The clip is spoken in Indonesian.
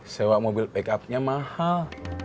sewak mobil pick upnya mahal